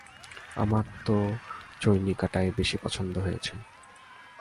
আমার তো চৈনিকাটাই বেশি পছন্দ হয়েছে।